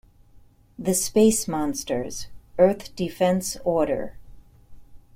The Space Monsters - Earth Defense Order.